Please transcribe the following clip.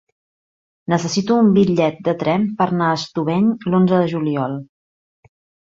Necessito un bitllet de tren per anar a Estubeny l'onze de juliol.